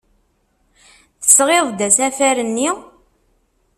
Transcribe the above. Tesɣiḍ-d asafar-nni?